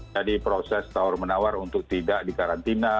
jadi proses tawar menawar untuk tidak di karantina